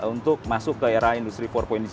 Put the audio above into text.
untuk masuk ke era industri empat